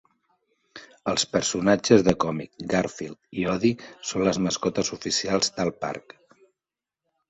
Els personatges de còmic Garfield i Odie són les mascotes oficials del parc.